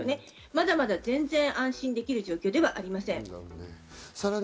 まだまだ全然、安心できる状況ではありません。